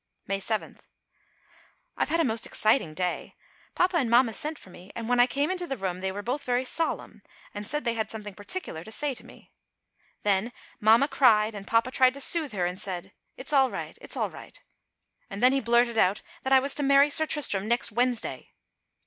May 7. I've had a most exciting day. Papa and mamma sent for me and when I came into the room they were both very solemn and said they had something particular to say to me. Then mamma cried and papa tried to soothe her and said: "It's all right, it's all right," and then he blurted out that I was to marry Sir Tristram next Wednesday.